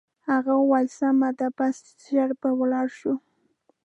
هغې وویل: سمه ده، بس ژر به ولاړ شو.